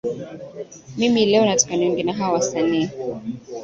mimi leo nataka niongee na hawa wasanii